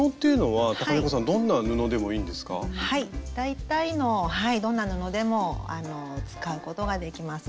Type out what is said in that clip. はい大体のはいどんな布でも使うことができます。